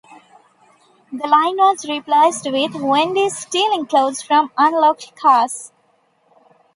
The line was replaced with: "Wendy's stealing clothes from unlocked cars".